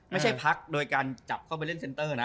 พักโดยการจับเข้าไปเล่นเซ็นเตอร์นะ